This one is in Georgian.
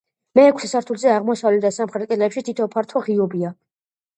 მეექვსე სართულზე აღმოსავლეთ და სამხრეთ კედლებში თითო ფართო ღიობია.